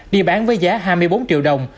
đi bán với giá hai mươi bốn triệu đồng